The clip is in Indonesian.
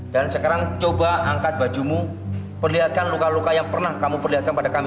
dan sekarang coba angkat bajumu perlihatkan luka luka yang pernah kamu perlihatkan pada kami